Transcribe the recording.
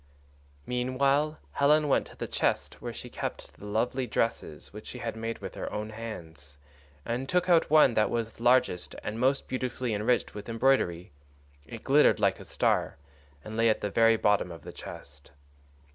Meanwhile Helen went to the chest where she kept the lovely dresses which she had made with her own hands, and took out one that was largest and most beautifully enriched with embroidery; it glittered like a star, and lay at the very bottom of the chest.